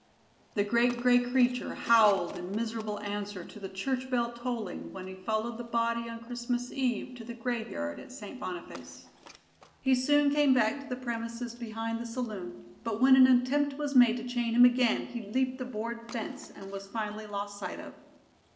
The great gray creature howled in miserable answer to the church bell tolling when he followed the body on Christmas Eve to the graveyard at St. Boniface. He soon came back to the premises behind the saloon, but when an attempt was made to chain him again, he leaped a board fence and was finally lost sight of.